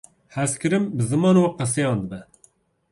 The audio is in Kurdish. Hezkirin bi ziman û qiseyan dibe.